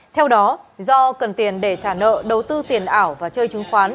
theo đó do cần tiền để trả nợ đầu tư tiền ảo và chơi chứng khoán